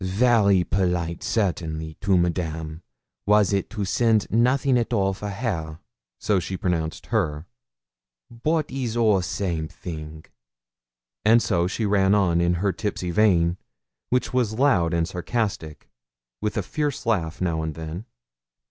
'Vary polite, certally, to Madame was it to send nothing at all for hair' (so she pronounced 'her'); 'bote is all same thing.' And so she ran on in her tipsy vein, which was loud and sarcastic, with a fierce laugh now and then.